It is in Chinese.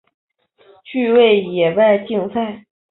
趣味野外竞赛。